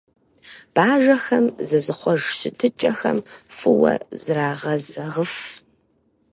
Бажэхэм зызыхъуэж щытыкӏэхэм фӀыуэ зрагъэзэгъыф.